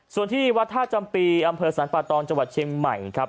ส่วนที่วัดท่าจำปีอำเภอสรรปะตองจังหวัดเชียงใหม่ครับ